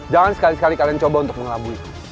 jangan sekali sekali kalian coba untuk mengelabui